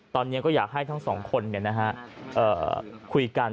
ตอนนี้ก็อยากให้ทั้งสองคนคุยกัน